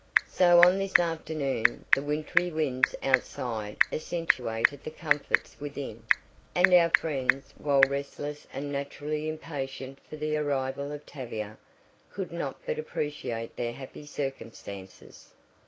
So on this afternoon the wintry winds outside accentuated the comforts within, and our friends, while restless and naturally impatient for the arrival of Tavia, could not but appreciate their happy circumstances.